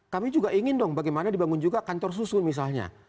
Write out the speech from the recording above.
kami juga ingin dong bagaimana dibangun juga kantor susul misalnya